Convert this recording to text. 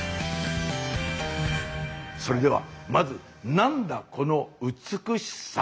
それではまず「なんだ、この美しさ！」